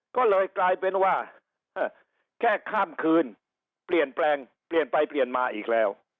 ก็เลยกลายเป็นว่าแค่ข้ามคืนเปลี่ยนแปลงเปลี่ยนไปเปลี่ยนมาอีกแล้ว